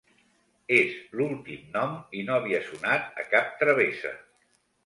És l’últim nom i no havia sonat a cap travessa.